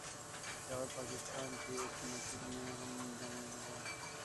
پشاور، پاکستان کی ایک مسجد میں بم دھماکہ ہوا